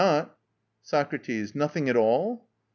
SOCRATES. Nothing at all!